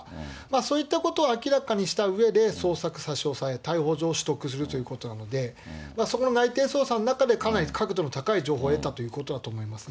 そういったことを明らかにしたうえで、捜索、差し押さえ、逮捕状取得するということなので、そこの内偵捜査の中で、かなり確度の高い情報を得たということだと思います